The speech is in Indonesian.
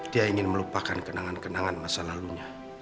dia ingin melupakan kenangan kenangan masa lalunya